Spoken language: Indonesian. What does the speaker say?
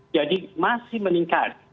jadi masih meningkat